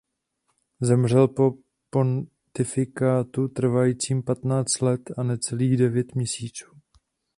Zemřel po pontifikátu trvajícím patnáct let a necelých devět měsíců.